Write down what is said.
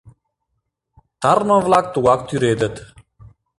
Тарлыме-влак тугак тӱредыт.